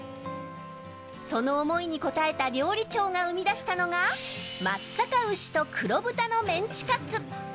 その思いに応えた料理長が生み出したのが松阪牛と黒豚のメンチカツ。